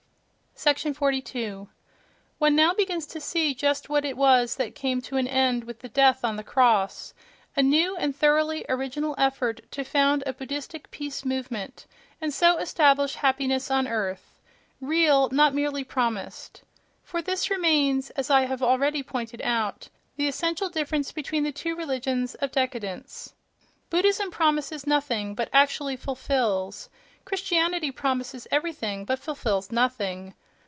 42. One now begins to see just what it was that came to an end with the death on the cross: a new and thoroughly original effort to found a Buddhistic peace movement, and so establish happiness on earth—real, not merely promised. For this remains—as I have already pointed out—the essential difference between the two religions of décadence: Buddhism promises nothing, but actually fulfils; Christianity promises everything, but fulfils nothing.